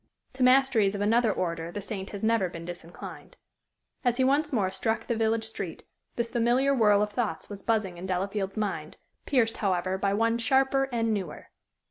To masteries of another order the saint has never been disinclined. As he once more struck the village street, this familiar whirl of thoughts was buzzing in Delafield's mind, pierced, however, by one sharper and newer.